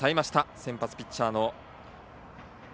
先発ピッチャー